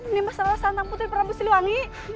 ini masalah santan putri prabu siliwangi